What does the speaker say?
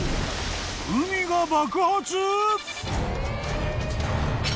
［海が爆発！？］